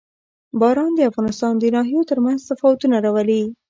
باران د افغانستان د ناحیو ترمنځ تفاوتونه راولي.